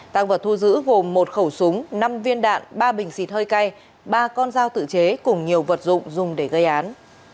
tăng vật thu giữ gồm một khẩu súng năm viên đạn ba bình xịt hơi cay ba con dao tự chế cùng nhiều vật dụng dùng để gây án